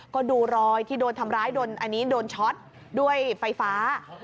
ก็ดูรอยที่โดนทำร้ายโดนอันนี้โดนช็อตด้วยไฟฟ้า